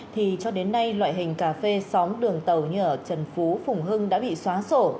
thì cho đến nay loại hình cà phê xóm đường tàu như ở trần phú phùng hưng đã bị xóa sổ